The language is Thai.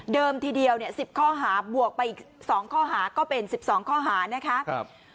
ทีเดียว๑๐ข้อหาบวกไปอีก๒ข้อหาก็เป็น๑๒ข้อหานะคะ